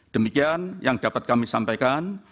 demikian yang dapat kami sampaikan